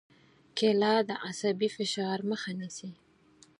کېله د عصبي فشار مخه نیسي.